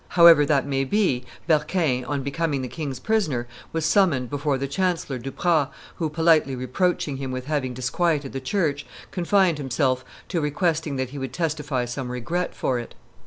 However that may be, Berquin, on becoming the king's prisoner, was summoned before the chancellor, Duprat, who, politely reproaching him with having disquieted the church, confined himself to requesting that he would testify some regret for it.